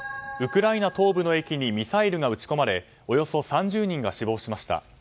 ウクライナ東部の駅にミサイルが撃ち込まれおよそ３０人が死亡しました。